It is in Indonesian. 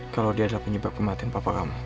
kalau dia adalah penyebab kematian papa kamu